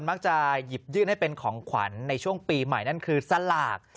มักจะหยิบยื่นให้เป็นของขวัญในช่วงปีใหม่นั่นคือสลาก